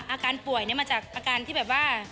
อาการป่วยมาจากอาการที่แบบว่า